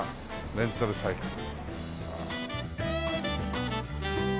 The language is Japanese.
レンタルサイクル。